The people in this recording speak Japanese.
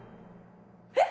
えっ？